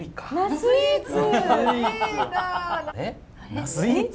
ナスイーツ？